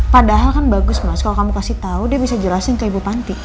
padahal kan bagus mas kalau kamu kasih tahu dia bisa jelasin ke ibu panti